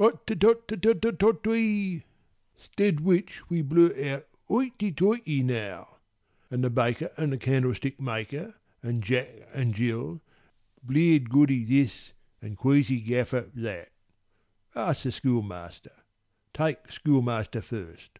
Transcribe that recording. oτοτοτοτοτoĩ, ('Stead which we blurt out Hoighty toighty now)— And the baker and candlestickmaker, and Jack and Gill, Blear'd Goody this and queasy Gaffer that. Ask the schoolmaster. Take schoolmaster first.